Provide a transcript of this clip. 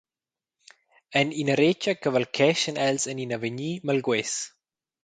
En ina retscha cavalcheschan els en in avegnir malguess.